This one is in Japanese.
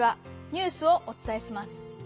ニュースをおつたえします。